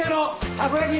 たこ焼き！？